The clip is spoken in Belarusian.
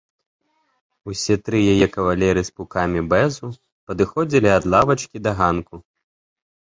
Усе тры яе кавалеры з пукамі бэзу падыходзілі ад лавачкі да ганку.